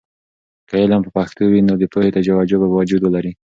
که علم په پښتو وي، نو د پوهې توجه به وجود ولري.